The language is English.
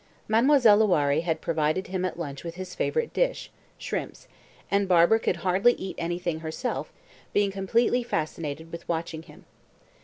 Mademoiselle Loiré had provided him at lunch with his favourite dish shrimps and Barbara could hardly eat anything herself, being completely fascinated with watching him.